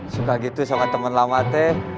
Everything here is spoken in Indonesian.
suka gitu sama temen lama teh